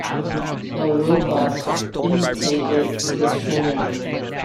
The robot imitated his trainer.